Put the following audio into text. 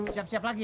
siap siap lagi ya